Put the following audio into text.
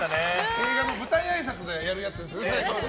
映画の舞台あいさつでやるやつですよね。